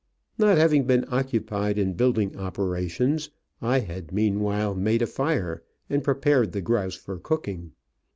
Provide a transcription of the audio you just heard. Not having been occupied in building operations, I had meanwhile made a fire and prepared the grouse for cooking.